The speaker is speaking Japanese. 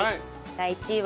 第１位は。